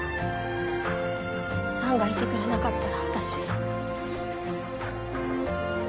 蘭がいてくれなかったら私。